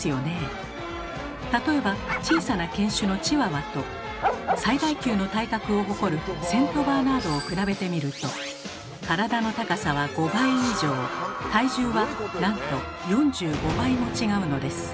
例えば小さな犬種のチワワと最大級の体格を誇るセント・バーナードを比べてみると体の高さは５倍以上体重はなんと４５倍も違うのです。